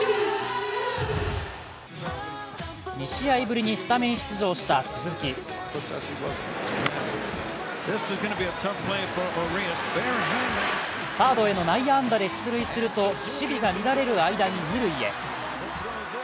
２試合ぶりにスタメン出場した鈴木サードへの内野安打で出塁すると守備が乱れる間に、二塁へ。